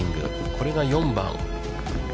これが４番。